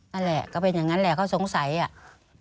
นั่นแหละก็เป็นอย่างนั้นแหละเขาสงสัยอ่ะ